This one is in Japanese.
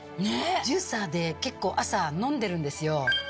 ジューサーで結構朝飲んでるんですよ。